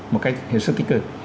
một cách hệ sức tích cực